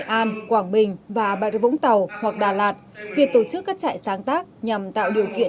nghệ an quảng bình và bà rịa vũng tàu hoặc đà lạt việc tổ chức các trại sáng tác nhằm tạo điều kiện